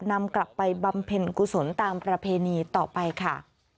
นำกลับไปบำเพ็ญกุศลตามประเพณีต่อไปค่ะ